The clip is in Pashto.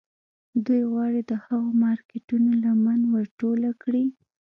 دوی غواړي د هغو مارکیټونو لمن ور ټوله کړي